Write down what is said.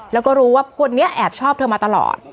แล้วก็รู้ว่าคนนี้แอบชอบเธอมาตลอด